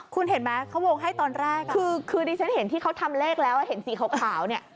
คุณเห็นไหมเขาวงให้ตอนแรกคือดิฉันเห็นที่เขาทำเลขแล้วเห็นสีขาวเนี่ย